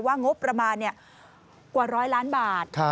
ว่างบประมาณกว่าร้อยล้านบาท